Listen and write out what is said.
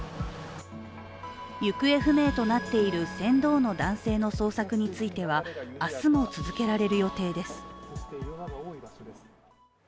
行方不明となっている船頭の男性の捜索については明日も続けられる予定です。